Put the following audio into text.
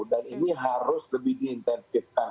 dan ini harus lebih di intensifkan